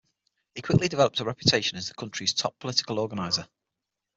He quickly developed a reputation as the country's top political organiser.